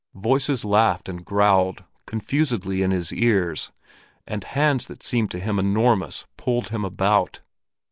Voices laughed and growled confusedly in his ears, and hands that seemed to him enormous pulled him about.